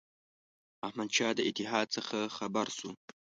احمدشاه د اتحاد څخه خبر شو.